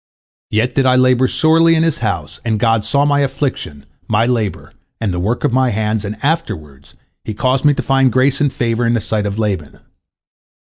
Yet did I labor sorely in his house, and God saw my affliction, my labor, and the work of my hands, and afterward He caused me to find grace and favor in the sight of Laban.